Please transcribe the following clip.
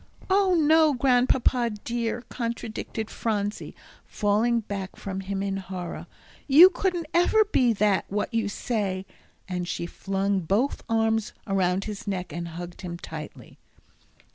"Oh, no, Grandpapa dear," contradicted Phronsie, falling back from him in horror. "You couldn't ever be that what you say." And she flung both arms around his neck and hugged him tightly.